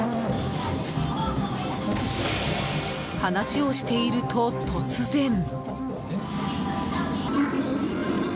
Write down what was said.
話をしていると、突然。